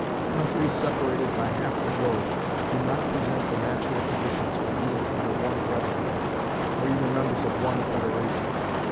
Countries separated by half the globe do not present the natural conditions for being under one government, or even members of one federation.